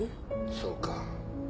そうか。